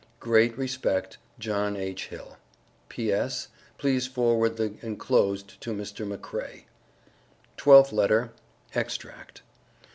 Great respect, JOHN H. HILL. P.S. Please forward the enclosed to Mr. McCray. TWELFTH LETTER. [EXTRACT.